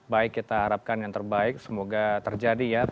baik kita harapkan yang terbaik semoga terjadi ya